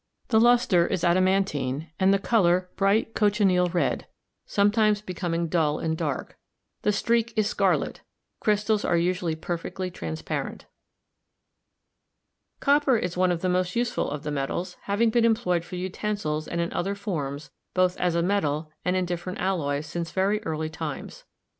The luster is adaman tine and the color bright cochineal red, sometimes becom ing dull and dark ; the streak is scarlet ; crystals are usually perfectly transparent. Copper is one of the most useful of the metals, having been employed for utensils and in other forms, both as a metal and in different alloys, since very early times.